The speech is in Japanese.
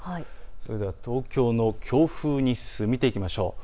それでは東京の強風日数、見ていきましょう。